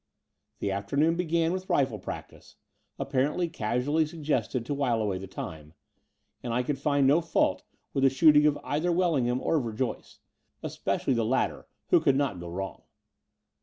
The afternoon began with rifle practice, appar ently casually suggested to while away the time : and I could find no fault with the shooting of either Wellingham or Verjoyce, especially the lat ter, who could not go wrong.